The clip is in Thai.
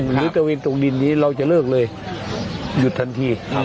หรือตะเวนตกดินนี้เราจะเลิกเลยหยุดทันที